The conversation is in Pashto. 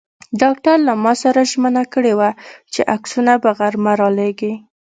ډاکټر له ما سره ژمنه کړې وه چې عکسونه به غرمه را لېږي.